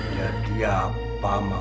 jadi apa mau